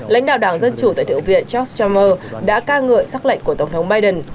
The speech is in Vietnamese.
lãnh đạo đảng dân chủ tại thượng viện george trump đã ca ngợi xác lệnh của tổng thống biden